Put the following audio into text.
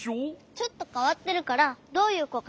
ちょっとかわってるからどういうこかしりたいだけ。